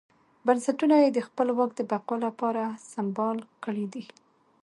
بنسټونه یې د خپل واک د بقا لپاره سمبال کړي دي.